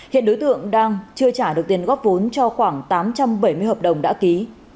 hiện đối tượng đang chưa trả được tiền góp vốn cho khoảng tám trăm bảy mươi hợp đồng đã ký